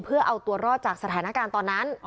เพื่อเอาตัวรอดจากสถานการณ์ตอนนั้น